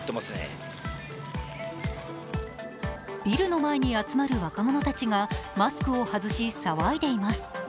ビルの前に集まる若者たちがマスクを外し、騒いでいます。